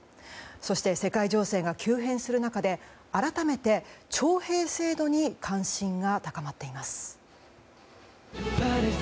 そして、世界情勢が急変する中で改めて、徴兵制度に関心が高まっています。